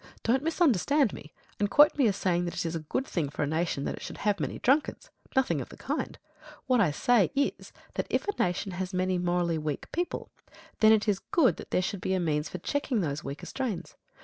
Don't misunderstand me, and quote me as saying that it is a good thing for a nation that it should have many drunkards. Nothing of the kind. What I say is, that if a nation has many morally weak people, then it is good that there should be a means for checking those weaker strains.